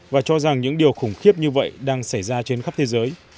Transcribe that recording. và cho rằng những điều khủng khiếp như vậy đang xảy ra trên khắp thế giới